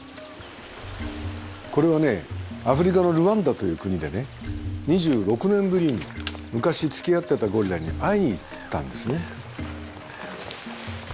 これはアフリカのルワンダという国でね２６年ぶりに昔つきあってたゴリラに会いに行ったんですね。